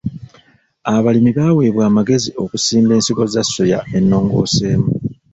Abalimi baweebwa amagezi okusimba ensigo za soya ennongoseemu.